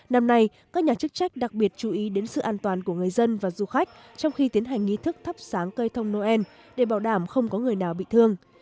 năm nay các nhà chức trách đặc biệt chú ý đến sự an toàn của người dân và du khách trong khi tiến hành nghi thức thắp sáng cây thông noel để bảo đảm không có người nào bị thương